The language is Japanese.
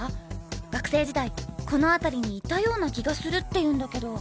学生時代この辺りにいたような気がするって言うんだけど。